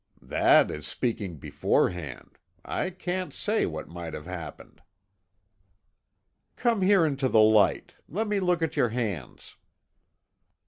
"That is speaking beforehand. I can't say what might have happened." "Come here into the light. Let me look at your hands."